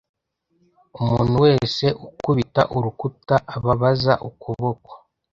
umuntu wese ukubita urukuta ababaza ukuboko